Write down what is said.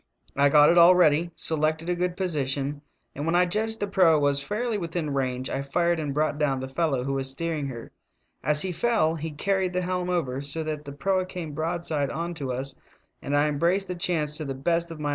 I got it all ready, selected a good position, and when I judged the proa was fairly within range I fired and brought down the fellow who was steering her. As he fell he carried the helm over so that the I proa came broadside on to us, and I embraced the chance to the best of my 268 THE TALKING HANDKERCHIEF.